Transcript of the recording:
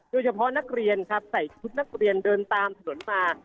โดยเฉพาะนักเรียนครับใส่ชุดนักเรียนเดินตามถนนมา